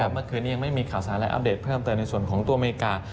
เมื่อคืนนี้ยังไม่มีข่าวสารและอัปเดตเพิ่มเติมในส่วนของตัวอเมริกา